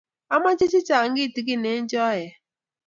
ameche chechang' kitegen eng' choe